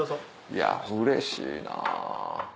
いやうれしいな。